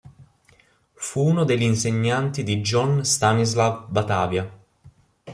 Fu uno degli insegnanti di John Stanislaw Batavia.